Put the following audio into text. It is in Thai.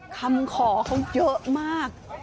คำขอเขาเยอะมาก